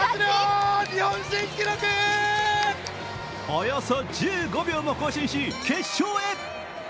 およそ１５秒も更新し決勝へ。